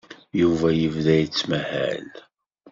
Yuba yebda yettmahal.